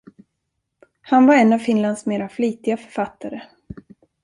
Han var en av Finlands mera flitiga författare.